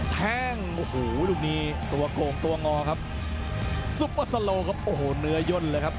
แทงโอ้โหลูกนี้ตัวโก่งตัวงอครับซุปเปอร์สโลครับโอ้โหเนื้อย่นเลยครับ